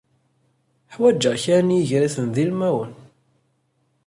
Ḥwajeɣ kra n yigraten d ilmawen.